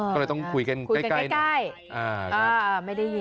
ก็เลยต้องคุยกันใกล้ไม่ได้ยิน